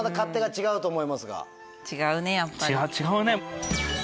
違うね。